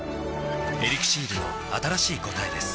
「エリクシール」の新しい答えです